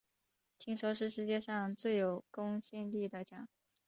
听说是世界上最有公信力的奖